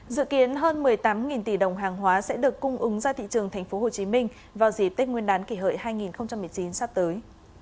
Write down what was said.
dự kiến hơn một mươi tám tỷ đồng hàng hóa sẽ được cung ứng ra thị trường tp hcm vào dì tết nguyên đán kỷ hợi hai nghìn một mươi chín sắp tới